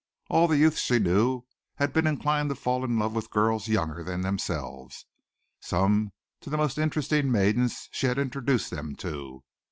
All the youths she knew had been inclined to fall in love with girls younger than themselves some to the interesting maidens she had introduced them to.